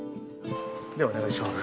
ではお願いします。